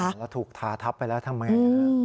แล้วถูกทาทับไปแล้วทำไง